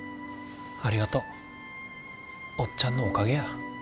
ありがとう。おっちゃんのおかげや。